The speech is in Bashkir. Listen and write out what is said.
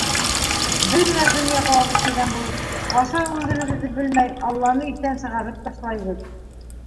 Беҙ генә донъя ҡыуабыҙ тигән булып, ҡасан үлеребеҙҙе белмәй, алланы иҫтән сығарып ташлайбыҙ.